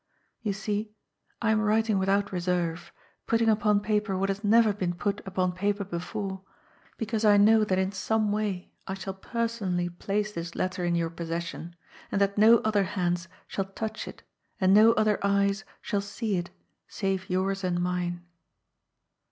You see, I am writing without reserve, putting upon paper what has never been put upon paper before, because I know that in some way I shall personally place this letter in your possession, and that no other hands shall touch it and no other eyes shall see it save yours and mine.